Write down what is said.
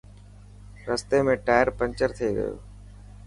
رستي ۾ ٽائر پينچر ٿي گيو.